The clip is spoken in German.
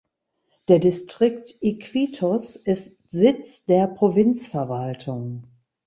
Der Distrikt Iquitos ist Sitz der Provinzverwaltung.